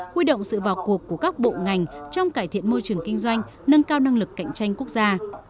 huy động sự vào cuộc của các bộ ngành trong cải thiện môi trường kinh doanh nâng cao năng lực cạnh tranh quốc gia